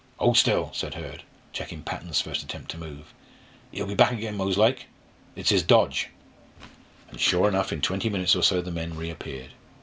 "Hold still!" said Hurd, checking Patton's first attempt to move. "He'll be back again mos' like. It's 'is dodge." And sure enough in twenty minutes or so the men reappeared.